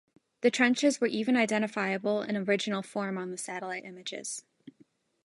The trenches were even identifiable in original form on the satellite images.